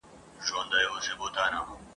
دا تیارې به کله روڼي اوږدې شپې به مي سهار کې ..